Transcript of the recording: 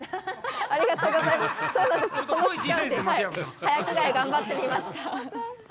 早着がえ頑張ってみました。